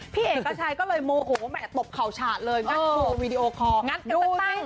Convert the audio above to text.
พี่เอกชัยก็เลยโม่ขุมว่าแหมตบเข่าชาติเลยงั้นดูวิดีโอคอร์